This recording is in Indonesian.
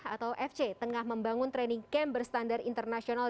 atau fc tengah membangun training camp berstandar internasional